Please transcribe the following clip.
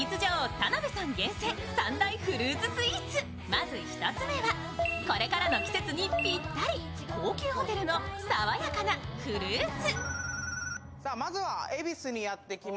まず１つ目は、これからの季節にぴったり、高級ホテルの爽やかなフルーツ？